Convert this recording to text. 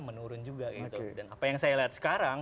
menurun juga gitu dan apa yang saya lihat sekarang